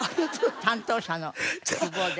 担当者の希望で。